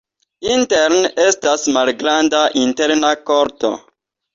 Interne estas malgranda interna korto.